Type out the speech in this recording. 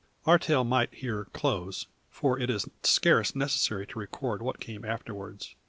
Our tale might here close; for it is scarce necessary to record what came afterwards.